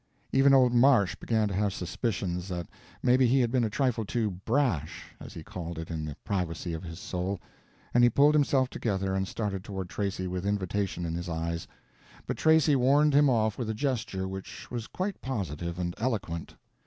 Even old Marsh began to have suspicions that maybe he had been a trifle too "brash," as he called it in the privacy of his soul, and he pulled himself together and started toward Tracy with invitation in his eyes; but Tracy warned him off with a gesture which was quite positive and eloquent.